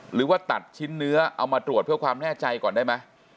หรือว่าตัดชิ้นเนื้อเอามาตรวจเพื่อความแน่ใจก่อนได้ไหม